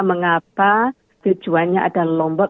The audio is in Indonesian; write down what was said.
mengapa tujuannya ada lombok